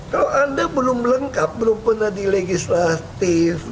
kalau anda belum lengkap belum pernah di legislatif